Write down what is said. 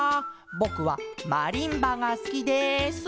ぼくはマリンバがすきです！」。